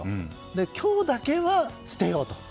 でも、今日だけは捨てようと。